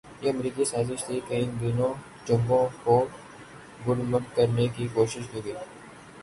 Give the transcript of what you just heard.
یہ امریکی سازش تھی کہ ان دونوں جنگوں کوگڈمڈ کرنے کی کوشش کی گئی۔